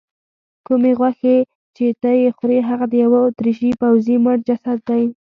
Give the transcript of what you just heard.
کومې غوښې چې ته یې خورې هغه د یوه اتریشي پوځي مړ جسد دی.